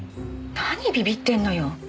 何ビビッてんのよ。